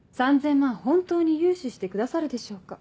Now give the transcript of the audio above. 本当に融資してくださるでしょうか？